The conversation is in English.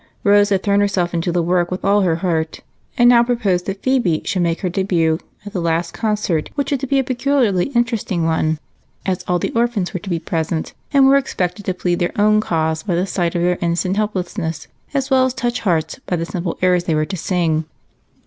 Rose had thrown herself into the work with all her heart and now proposed that Phebe should make her debut at the last concert, which was to be a peculiarly interesting one, as all the orphans were to be present and were expected to plead their own cause by the sight of their innocent helplessness as well as touch hearts by the simple airs they were to sing.